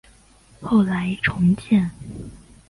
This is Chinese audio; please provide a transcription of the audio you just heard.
后来重建。